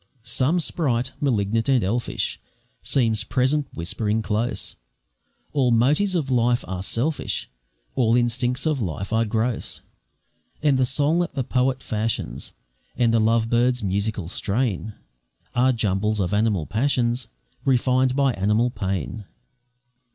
Some sprite, malignant and elfish, Seems present whispering close, "All motives of life are selfish, All instincts of life are gross; And the song that the poet fashions, And the love bird's musical strain, Are jumbles of animal passions, Refined by animal pain."